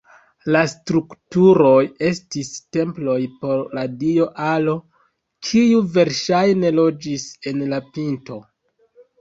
La strukturoj estis temploj por la dio Alo, kiu verŝajne loĝis en la pinto.